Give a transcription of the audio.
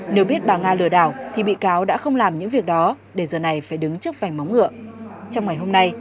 nếu biết bà nga lừa đảo thì bị cáo đã không làm những việc đó để giờ này phải đứng trước vành móng ngựa